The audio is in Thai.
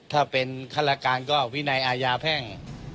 ถ้าเป็นฆาตการก็วินัยอาญาแพ่ง